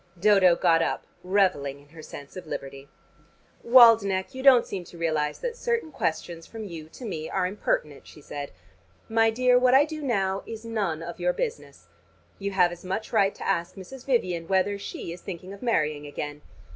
Dodo got up, reveling in her sense of liberty. "Waldenech, you don't seem to realize that certain questions from you to me are impertinent," she said. "My dear, what I do now is none of your business. You have as much right to ask Mrs. Vivian whether she is thinking of marrying again.